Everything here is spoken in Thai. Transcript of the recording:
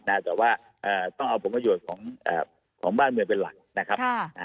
แต่ว่าต้องเอาผลประโยชน์ของบ้านเมืองเป็นหลักนะครับ